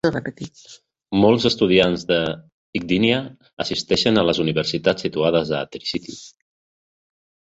Molts estudiants de Gdynia assisteixen a les universitats situades a Tricity.